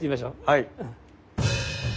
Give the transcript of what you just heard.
はい。